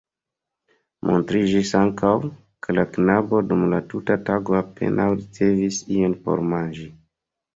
Montriĝis ankaŭ, ke la knabo dum la tuta tago apenaŭ ricevis ion por manĝi.